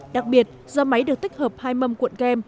đặc biệt do máy được tích hợp hai mâm cuộn kèm